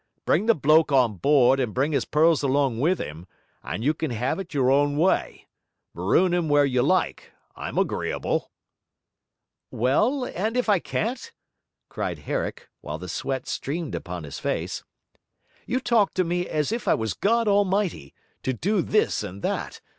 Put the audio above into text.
Bring the bloke on board and bring his pearls along with him, and you can have it your own way; maroon him where you like I'm agreeable.' 'Well, and if I can't?' cried Herrick, while the sweat streamed upon his face. 'You talk to me as if I was God Almighty, to do this and that!